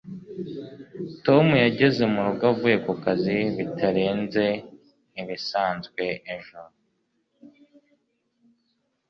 tom yageze murugo avuye kukazi bitarenze ibisanzwe ejo